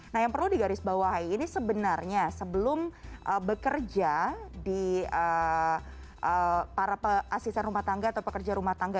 nah yang perlu digarisbawahi ini sebenarnya sebelum bekerja di para asisten rumah tangga atau pekerja rumah tangga